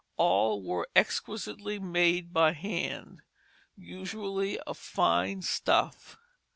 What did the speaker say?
All were exquisitely made by hand, and usually of fine stuff.